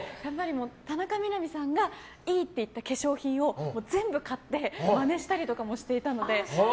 田中みな実さんがいいって言った化粧品を全部買ってマネしたりとかもしていたので。